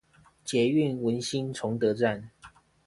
捷運文心崇德站